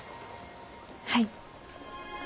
はい。